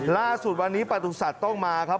ล่าสุดวันนี้ประสุทธิ์ต้องมาครับ